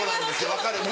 分かる。